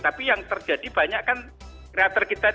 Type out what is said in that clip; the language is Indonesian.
tapi yang terjadi banyak kan kreator gitu ya